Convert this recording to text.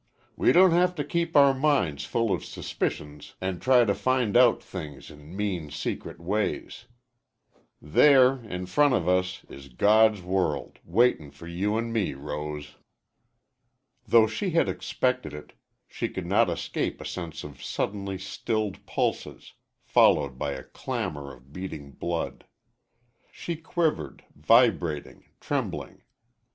"We don't have to keep our minds full of suspicions an' try to find out things in mean, secret ways. There, in front of us, is God's world, waitin' for you an' me, Rose." Though she had expected it, she could not escape a sense of suddenly stilled pulses followed by a clamor of beating blood. She quivered, vibrating, trembling.